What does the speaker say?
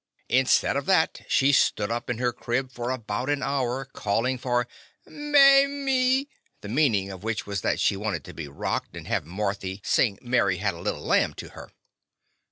Instead of that she stood up in her crib for about an hour, callin' for "Mamie," the meanin' of which was that she wanted to be rocked and have Marthy sing "Mary had a little lamb," to her.